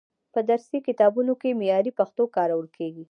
په درسي کتابونو کې معیاري پښتو کارول کیږي.